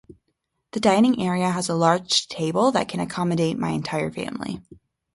The dining area has a large table that can accommodate my entire family.